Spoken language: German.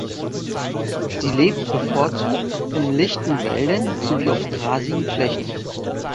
Sie lebt bevorzugt in lichten Wäldern sowie auf grasigen Flächen.